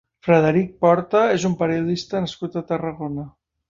Frederic Porta és un periodista nascut a Tarragona.